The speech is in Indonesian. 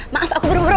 maaf aku berburu